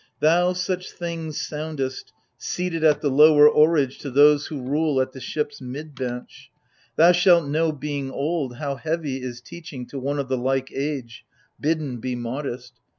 Thou such things soundest — seated at the lower Oarage to those who rule at the shijys mid bench ? Thou shalt know, being old, how heavy is teaching To one of the like age— bidden be modest